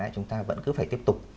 chúng ta vẫn cứ phải tiếp tục